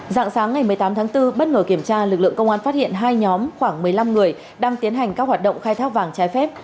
dạng sáng ngày một mươi tám tháng bốn bất ngờ kiểm tra lực lượng công an phát hiện hai nhóm khoảng một mươi năm người đang tiến hành các hoạt động khai thác vàng trái phép